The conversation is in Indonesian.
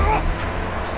aku akan menembakmu